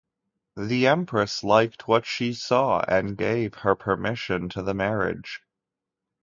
The Empress liked what she saw and gave her permission to the marriage.